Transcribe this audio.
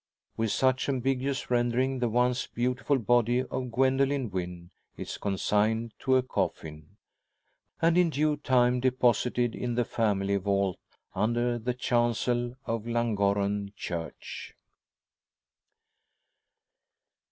With such ambiguous rendering the once beautiful body of Gwendoline Wynn is consigned to a coffin, and in due time deposited in the family vault, under the chancel of Llangorren Church.